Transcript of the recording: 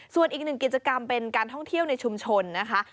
ส่วนอีกหนึ่งกิจกรรมเป็นการท่องเที่ยวในชุมชนนะคะ